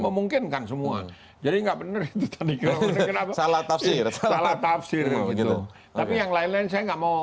memungkinkan semua jadi nggak bener salah tafsir salah tafsir tapi yang lain lain saya nggak mau